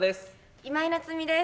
今井菜津美です。